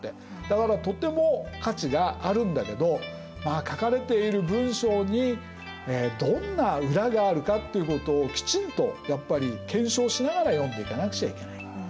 だからとても価値があるんだけど書かれている文章にどんな裏があるかっていうことをきちんとやっぱり検証しながら読んでいかなくちゃいけない。